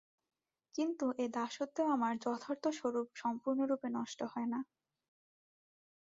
কিন্তু এই দাসত্বেও আমার যথার্থ স্বরূপ সম্পূর্ণরূপে নষ্ট হয় না।